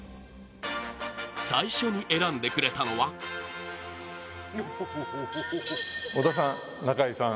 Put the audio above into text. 最初に選んでくれたのは織田さん、中井さん